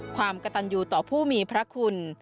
ความกระตันอยู่ต่อผู้มีพระคุณ